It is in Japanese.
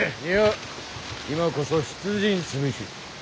いや今こそ出陣すべし。